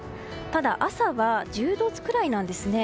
ただ、朝は１０度くらいなんですね。